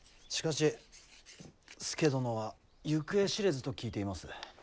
しかし佐殿は行方知れずと聞いています。